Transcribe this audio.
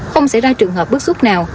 không sẽ ra trường hợp bước xúc nào